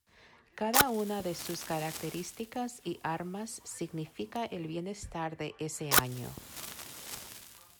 Cada una de sus características y armas significa el bienestar de ese año.